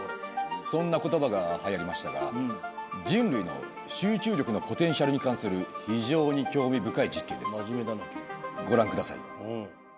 そんな言葉が流行りましたが人類の集中力のポテンシャルに関する非常に興味深い実験ですご覧ください。